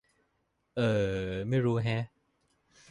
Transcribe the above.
เอ่อ ไม่รู้แฮะ